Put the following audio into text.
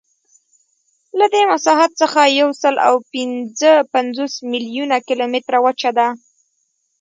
له دې مساحت څخه یوسلاوهپینځهپنځوس میلیونه کیلومتره وچه ده.